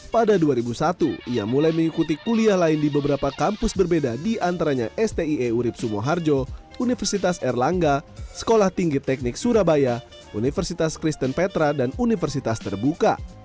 pada dua ribu satu ia mulai mengikuti kuliah lain di beberapa kampus berbeda diantaranya stie urib sumoharjo universitas erlangga sekolah tinggi teknik surabaya universitas kristen petra dan universitas terbuka